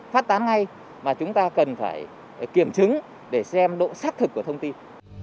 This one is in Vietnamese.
phát tán ngay mà chúng ta cần phải kiểm chứng để xem độ xác thực của thông tin